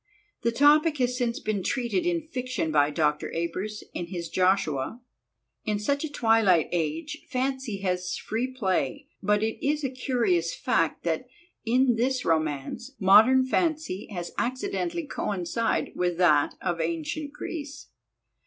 The topic has since been treated in fiction by Dr. Ebers, in his Joshua. In such a twilight age, fancy has free play, but it is a curious fact that, in this romance, modern fancy has accidentally coincided with that of ancient Greece.